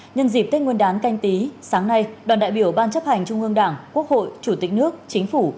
nhân dịp tết nguyên đán canh tí sáng nay đoàn đại biểu ban chấp hành trung ương đảng quốc hội chủ tịch nước chính phủ